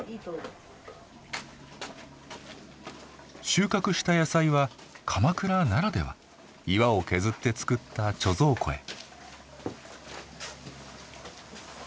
収穫した野菜は鎌倉ならでは岩を削って造った貯蔵庫へ。